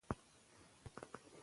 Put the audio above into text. د پخلنځي لګښتونه کم کړئ.